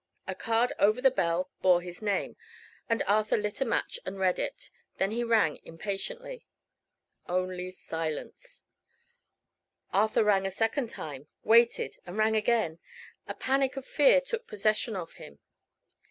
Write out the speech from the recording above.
A card over the bell bore his name, and Arthur lit a match and read it. Then he rang impatiently. Only silence. Arthur rang a second time; waited, and rang again. A panic of fear took possession of him.